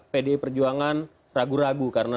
pdi perjuangan ragu ragu karena